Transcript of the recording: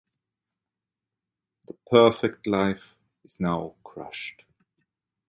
The perfect life is now crushed.